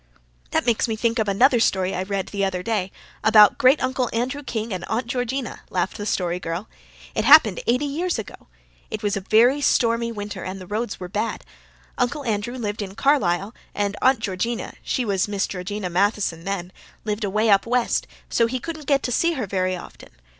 "That makes me think of another story I read the other day about Great uncle Andrew King and Aunt Georgina," laughed the Story Girl. "It happened eighty years ago. It was a very stormy winter and the roads were bad. Uncle Andrew lived in Carlisle, and Aunt Georgina she was Miss Georgina Matheson then lived away up west, so he couldn't get to see her very often.